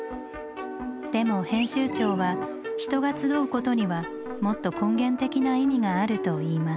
でも編集長は「人が集う」ことにはもっと根源的な意味があると言います。